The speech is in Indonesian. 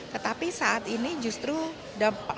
tetapi saat ini justru hal tersebut